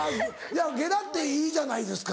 ゲラっていいじゃないですか。